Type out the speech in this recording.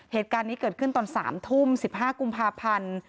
เหตุการณ์นี้เกิดขึ้นตอน๓ทุ่ม๑๕กุมภาพันธ์